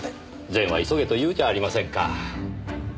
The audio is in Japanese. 「善は急げ」と言うじゃありませんか。